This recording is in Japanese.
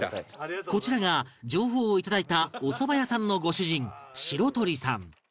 こちらが情報をいただいたおそば屋さんのご主人白鳥さん